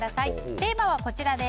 テーマはこちら。